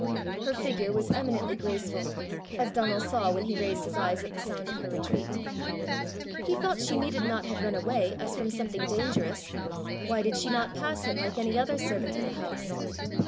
Her figure was eminently graceful as Donal saw when he raised his eyes at the sound of her retreat. He thought she needed not have run away as from something dangerous: why did she not pass him like any other servant of the house?